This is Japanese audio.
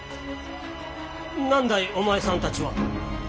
何だいお前さんたちは。